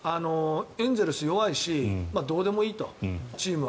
エンゼルス、弱いしどうでもいいと、チームは。